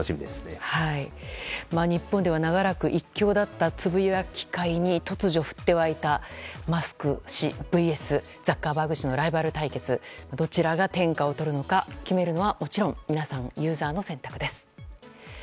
日本では長らく一強だったつぶやき界に突如降って湧いたマスク氏ＶＳザッカーバーグ氏のライバル対決どちらが天下を取るのか決めるのはもちろん皆さんユーザーの選択です。